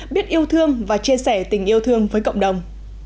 biết yêu thương và chia sẻ tình yêu thương với cộng đồng